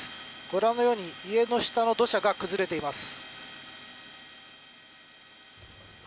ご覧のように家の下の土砂が崩れています」